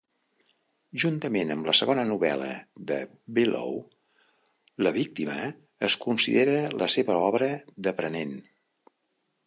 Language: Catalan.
Juntament amb la segona novel·la de Bellow, "La víctima", es considera la seva obra "d"aprenent".